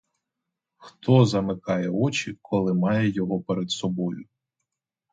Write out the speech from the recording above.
Хто замикає очі, коли має його перед собою?